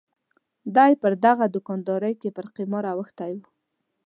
دای پر دغه دوکاندارۍ کې پر قمار اوښتی و.